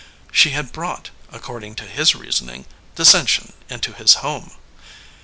She had brought, according to his reasoning, dissension into his home.